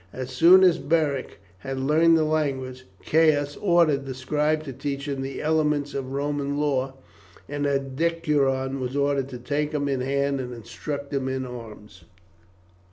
As soon as Beric had learned the language, Caius ordered the scribe to teach him the elements of Roman law, and a decurion was ordered to take him in hand and instruct him in arms.